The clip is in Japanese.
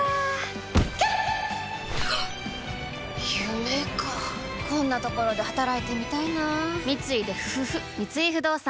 夢かこんなところで働いてみたいな三井不動産